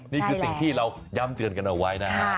นี่คือสิ่งที่เราย้ำเตือนกันเอาไว้นะฮะ